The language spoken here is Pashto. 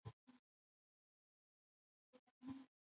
دا پروسه پانګوال ورځ په ورځ نور هم شتمنوي